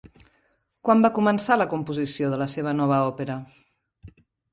Quan va començar la composició de la seva nova òpera?